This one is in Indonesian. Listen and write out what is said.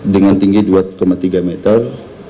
dengan tinggi dua tiga meter